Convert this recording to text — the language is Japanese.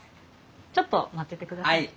ちょっと待っててくださいね。